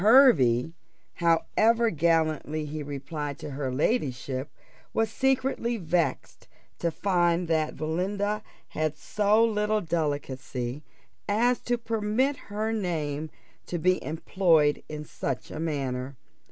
Hervey, however gallantly he replied to her ladyship, was secretly vexed to find that Belinda had so little delicacy as to permit her name to be employed in such a manner.